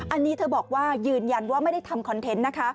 อันนี้เธอบอกว่ายืนยันว่าไม่ได้ทำคอนเทนต์นะคะ